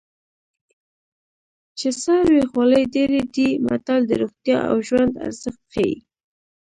چې سر وي خولۍ ډېرې دي متل د روغتیا او ژوند ارزښت ښيي